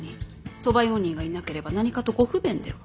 側用人がいなければ何かとご不便では。